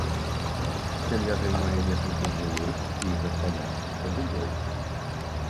Сям'я займае некалькі жылых і гаспадарчых пабудоў.